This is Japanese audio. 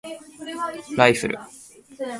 彼はライフルを拾い上げ、それで標的をねらった。